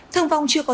thương vong chưa còn